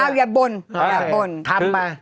อ้าวอย่าบ่นทำไป